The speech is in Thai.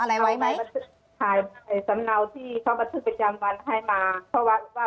อะไรไว้ไหมถ่ายสำเนาที่เขาบันทึกประจำวันให้มาเข้าวัดว่า